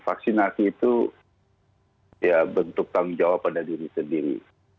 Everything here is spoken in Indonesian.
vaksinasi itu ya bentuk tanggung jawab pada diri sendiri